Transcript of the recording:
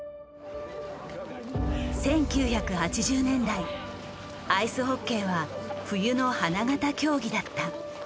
１９８０年代アイスホッケーは冬の花形競技だった。